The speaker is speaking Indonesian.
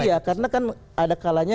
iya karena kan ada kalanya